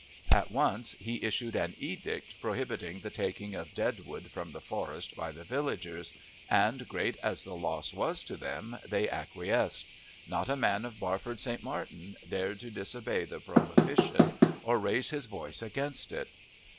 At once he issued an edict prohibiting the taking of dead wood from the forest by the villagers, and great as the loss was to them they acquiesced; not a man of Barford St. Martin dared to disobey the prohibition or raise his voice against it.